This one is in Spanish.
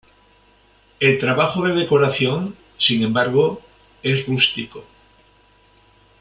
El trabajo de decoración, sin embargo, es rústico.